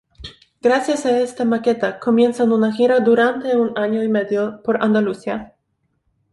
Gracias a esta maqueta comienzan una gira durante un año y medio por Andalucía.